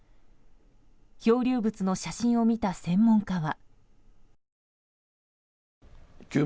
漂流物の写真を見た専門家は。